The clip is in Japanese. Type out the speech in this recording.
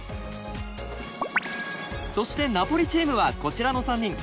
そしてナポリチームはこちらの３人。